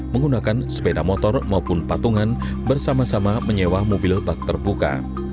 menggunakan sepeda motor maupun patungan bersama sama menyewa mobil bak terbuka